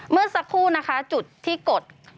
เมื่อสักครู่นะคะจุดที่กด